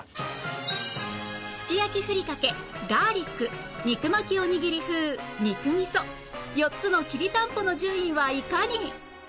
すき焼きふりかけガーリック肉巻きおにぎり風肉味噌４つのきりたんぽの順位はいかに？